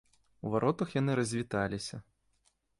У варотах яны развіталіся.